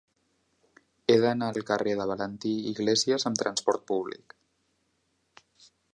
He d'anar al carrer de Valentí Iglésias amb trasport públic.